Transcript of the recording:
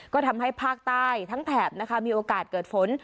ก็ทำให้ภาคใต้ทั้งแถบนะคะมีโอกาสเกิดฝน